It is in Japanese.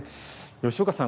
吉岡さん